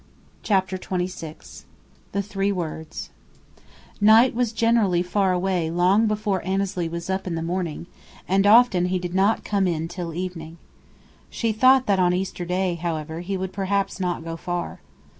CHAPTER XXVI THE THREE WORDS Knight was generally far away long before Annesley was up in the morning, and often he did not come in till evening. She thought that on Easter Day, however, he would perhaps not go far.